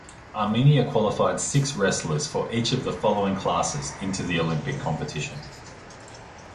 Armenia qualified six wrestlers for each of the following classes into the Olympic competition.